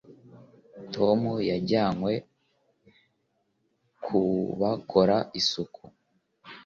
tom yajyanywe ku bakora isuku